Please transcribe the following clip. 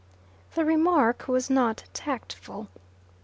The remark was not tactful.